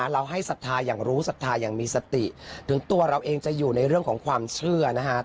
เราให้ศรัทธาอย่างรู้ศรัทธาอย่างมีสติถึงตัวเราเองจะอยู่ในเรื่องของความเชื่อนะฮะ